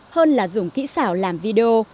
hơn là dùng kỹ xảo làm video